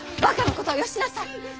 ばかなことはよしなさい。